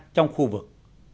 trong khu vực